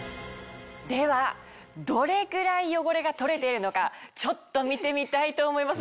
ではどれぐらい汚れが取れているのかちょっと見てみたいと思います